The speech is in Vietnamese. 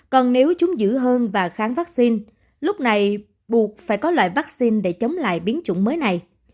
còn nếu chúng giữ hơn và kháng vaccine lúc này buộc phải có loại vaccine để chống lại biến chủng mới này